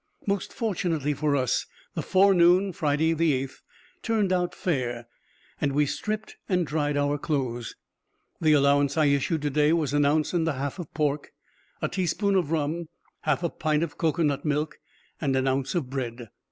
Most fortunately for us, the forenoon, Friday 8th, turned out fair, and we stripped and dried our clothes. The allowance I issued to day was an ounce and a half of pork, a teaspoonful of rum, half a pint of cocoa nut milk, and an ounce of bread.